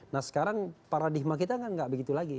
nah sekarang paradigma kita kan nggak begitu lagi